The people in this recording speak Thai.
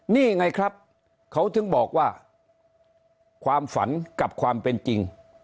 นี่ไงครับเขาถึงบอกว่าความฝันกับความเป็นจริง